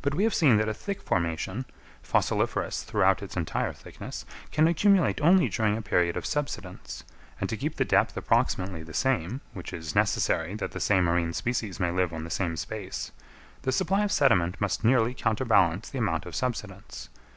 But we have seen that a thick formation, fossiliferous throughout its entire thickness, can accumulate only during a period of subsidence; and to keep the depth approximately the same, which is necessary that the same marine species may live on the same space, the supply of sediment must nearly counterbalance the amount of subsidence.